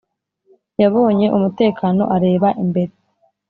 yabonye umutekano areba imbere